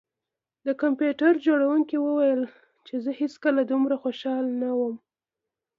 د کمپیوټر جوړونکي وویل چې زه هیڅکله دومره خوشحاله نه وم